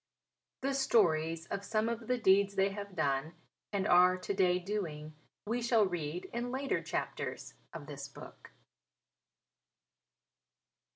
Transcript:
The stories of some of the deeds they have done and are to day doing, we shall read in later chapters in this book.